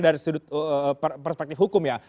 dari sudut perspektif hukum ya